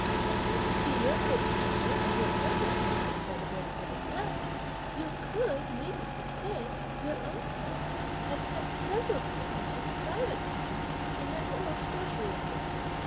But since it be your good pleasure and your purpose to have it celebrated with éclat, you could, needless to say, your own self have spent several taels from the private funds in that old treasury of yours!